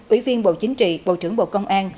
ủy viên bộ chính trị bộ trưởng bộ công an